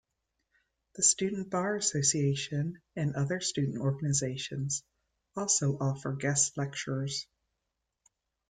The Student Bar Association and other student organizations also offer guest lectures.